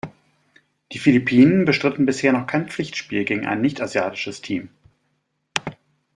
Die Philippinen bestritten bisher noch kein Pflichtspiel gegen ein nicht-asiatisches Team.